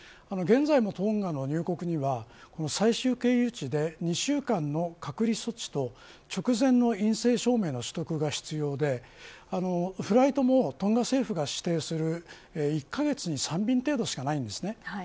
現在もトンガの入国には最終経由地で２週間の隔離措置と直前の陰性証明の取得が必要でフライトもトンガ政府が指定する１カ月に３便程度しかないんです。